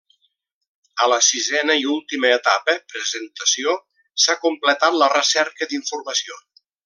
A la sisena i última etapa, presentació, s'ha completat la recerca d'informació.